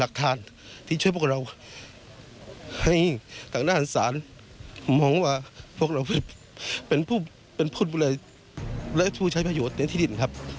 และผู้ใช้ประโยชน์ที่ดิน